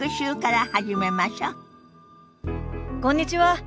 こんにちは。